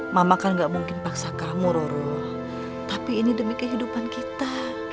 mama kan gak mungkin paksa kamu roro tapi ini demi kehidupan kita